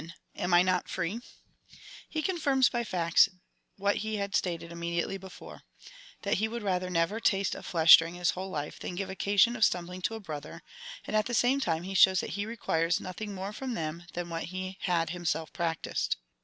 Am I not free ? He confirms by facts what lie had stated immediately before, — that he would rather never taste of flesh during his whole life, than give occasion of stumbling to a brother, and, at the same time, he shows that he requires nothing more from them than what he had him self practised.